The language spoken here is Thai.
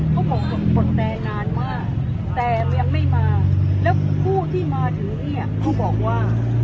เขาบอกผมกดแตรนานมากแต่ยังไม่มาแล้วผู้ที่มาถึงเนี่ยเขาบอกว่า